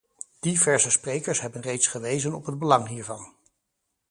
Diverse sprekers hebben reeds gewezen op het belang hiervan.